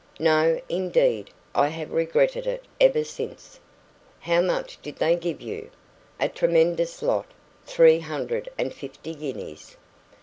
"No, indeed! I have regretted it ever since." "How much did they give you?" "A tremendous lot three hundred and fifty guineas."